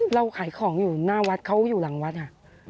รู้อยู่หลังวัดค่ะ